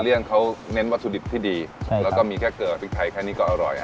เลียงเขาเน้นวัตถุดิบที่ดีแล้วก็มีแค่เกลือพริกไทยแค่นี้ก็อร่อย